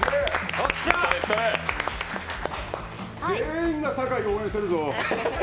全員が酒井を応援してるぞ！